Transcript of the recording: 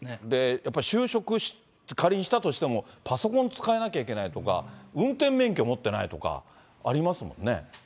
やっぱり就職、仮にしたとしても、パソコン使えなきゃいけないとか、運転免許持ってないとか、ありますもんね。